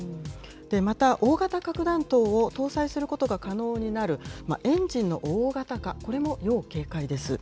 また、大型核弾頭を搭載することが可能になる、エンジンの大型化、これも要警戒です。